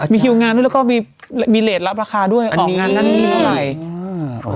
มีคิวงานด้วยแล้วก็มีเลสรับราคาด้วยอันนี้งานนั้นมีเท่าไหร่